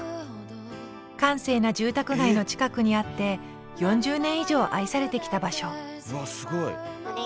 閑静な住宅街の近くにあって４０年以上愛されてきた場所うわすごい！